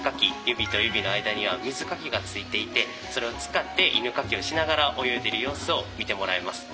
指と指の間には水かきがついていてそれを使って犬かきをしながら泳いでいる様子を見てもらえます。